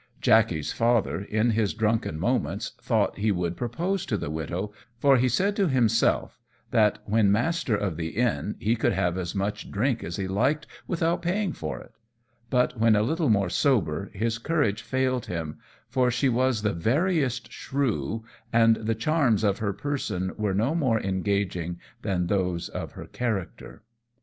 Jackey's father, in his drunken moments, thought he would propose to the widow, for he said to himself that, when master of the inn, he could have as much drink as he liked without paying for it; but when a little more sober his courage failed him, for she was the veriest shrew, and the charms of her person were no more engaging than those of her character.